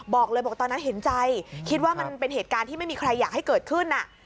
บอกเลยบอกตอนนั้นเห็นใจคิดว่ามันเป็นเหตุการณ์ที่ไม่มีใครอยากให้เกิดขึ้น